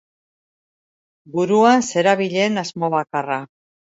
Buruan zerabilen asmo bakarra.